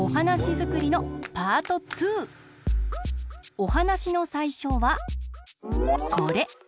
おはなしのさいしょはこれ！